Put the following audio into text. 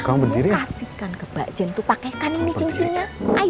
kamu kasihkan ke mbak jen tuh pakaikan ini cincinnya